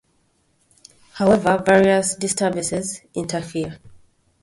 However, various disturbances interfere.